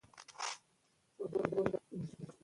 زده کړه نجونو ته د سیندونو نومونه ور زده کوي.